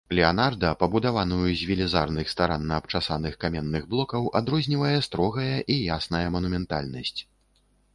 Леанарда, пабудаваную з велізарных, старанна абчасаных каменных блокаў, адрознівае строгая і ясная манументальнасць.